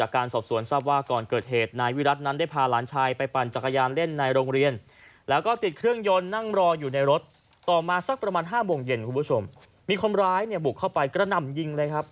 ก็ประมาณ๕โมงเย็นคุณผู้ชมมีคนร้ายบุกเข้าไปกระนำยิงเลยครับ